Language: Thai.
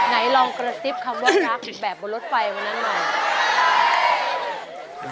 ไหนลองกระซิบคำว่ารักแบบบนรถไฟวันนั้นหน่อย